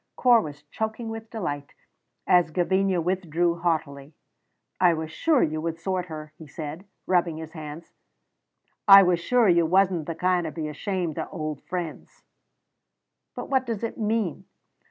Corp was choking with delight as Gavinia withdrew haughtily. "I was sure you would sort her," he said, rubbing his hands, "I was sure you wasna the kind to be ashamed o' auld friends." "But what does it mean?"